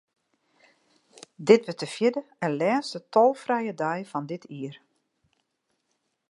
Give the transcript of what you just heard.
Dit wurdt de fjirde en lêste tolfrije dei fan dit jier.